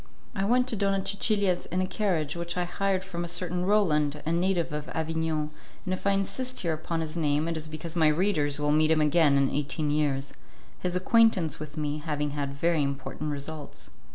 I went to Donna Cecilia's in a carriage which I hired from a certain Roland, a native of Avignon, and if I insist here upon his name it is because my readers will meet him again in eighteen years, his acquaintance with me having had very important results.